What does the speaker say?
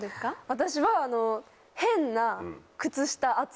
私は。